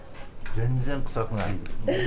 全然臭くない。